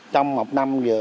trong một năm vừa